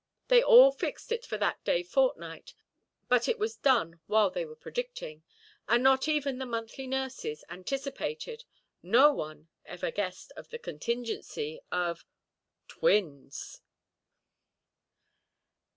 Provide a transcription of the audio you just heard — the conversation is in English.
They all fixed it for that day fortnight, but it was done while they were predicting. And not even the monthly nurses anticipated, no one ever guessed at the contingency of—twins.